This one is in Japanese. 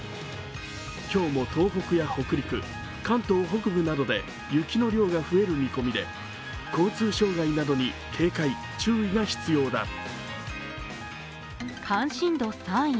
今日も東北や北陸、関東北部などで雪の量が増える見込みで交通障害などに警戒・注意が必要だ。